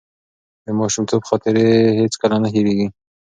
د ماشومتوب خاطرې هیڅکله نه هېرېږي.